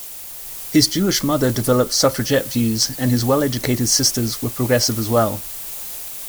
His Jewish mother developed suffragette views, and his well-educated sisters were progressive as well.